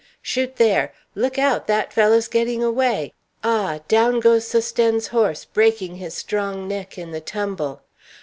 Shoot there! Look out, that fellow's getting away! Ah! down goes Sosthène's horse, breaking his strong neck in the tumble.